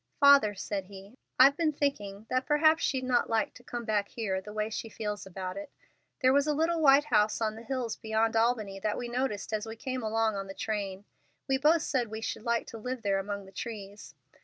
"Father," said he, "I've been thinking that perhaps she'd not like to come back here, the way she feels about it. There was a little white house on the hills beyond Albany that we noticed as we came along on the train. We both said we should like to live there among the trees.